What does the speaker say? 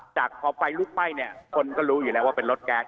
จากพอไฟลุกไหม้เนี่ยคนก็รู้อยู่แล้วว่าเป็นรถแก๊ส